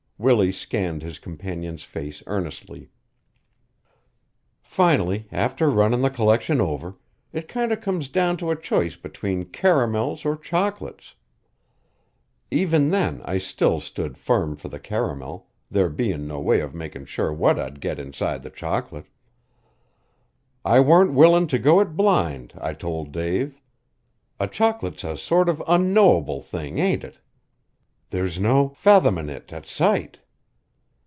Willie scanned his companion's face earnestly. "Finally, after runnin' the collection over, it kinder come down to a choice between caramels or chocolates. Even then I still stood firm for the caramel, there bein' no way of makin' sure what I'd get inside the chocolate. I warn't willin' to go it blind, I told Dave. A chocolate's a sort of unknowable thing, ain't it? There's no fathomin' it at sight.